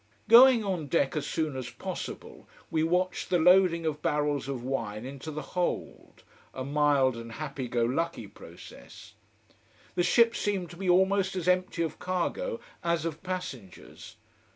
Going on deck as soon as possible, we watched the loading of barrels of wine into the hold a mild and happy go lucky process. The ship seemed to be almost as empty of cargo as of passengers.